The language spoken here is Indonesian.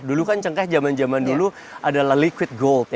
dulu kan cengkeh zaman zaman dulu adalah liquid gold